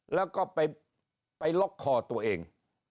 แล้วก็ไปล็อกคอตัวเอง